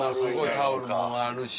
タオルもあるし。